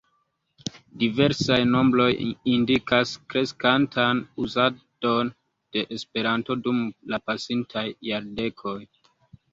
Diversaj nombroj indikas kreskantan uzadon de Esperanto dum la pasintaj jardekoj.